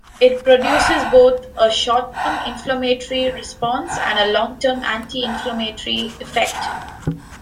It produces both a short-term inflammatory response and a long-term anti-inflammatory effect.